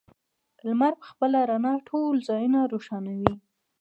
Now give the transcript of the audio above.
لمر په خپله رڼا ټول ځایونه روښانوي.